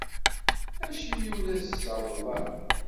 Acimi ur as-d-tsawleḍ ara?